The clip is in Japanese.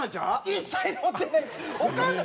一切乗ってないです。